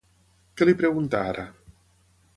Què li pregunta ara?